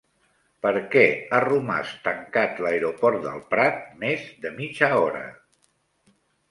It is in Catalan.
Per què ha romàs tancat l'aeroport del Prat més de mitja hora?